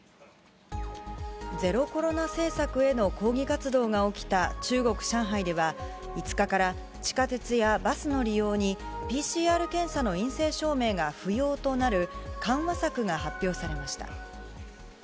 ゼロコロナ政策への抗議活動が起きた中国・上海では、５日から地下鉄やバスの利用に、ＰＣＲ検査の陰性証明が不要となる、緩和策が発表されました。